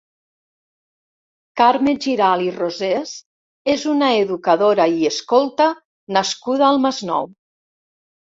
Carme Giralt i Rosés és una educadora i escolta nascuda al Masnou.